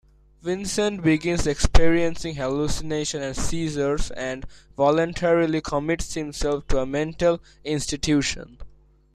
Vincent begins experiencing hallucinations and seizures and voluntarily commits himself to a mental institution.